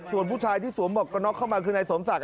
ส่วนผู้ชายที่สวมหมวกกระน็อกเข้ามาคือนายสมศักดิ